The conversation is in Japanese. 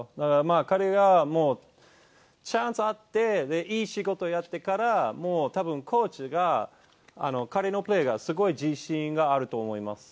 彼がもう、チャンスあって、いい仕事やってから、もうたぶん、コーチが彼のプレーがすごい自信があると思います。